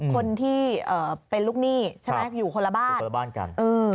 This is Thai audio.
คนที่เป็นลูกหนี้ใช่ไหมอยู่คนละบ้านคนละบ้านกัน